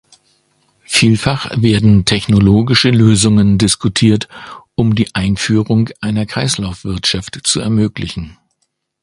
Vielfach werden technologische Lösungen diskutiert, um die Einführung einer Kreislaufwirtschaft zu ermöglichen.